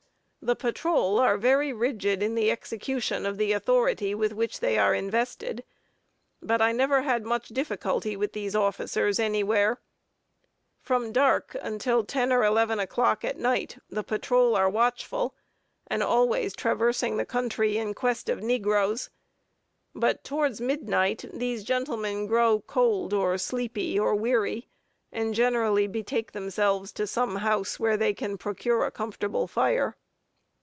The patrol are very rigid in the execution of the authority with which they are invested; but I never had much difficulty with these officers anywhere. From dark until ten or eleven o'clock at night, the patrol are watchful, and always traversing the country in quest of negroes, but towards midnight these gentlemen grow cold, or sleepy, or weary, and generally betake themselves to some house, where they can procure a comfortable fire.